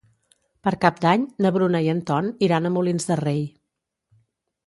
Per Cap d'Any na Bruna i en Ton iran a Molins de Rei.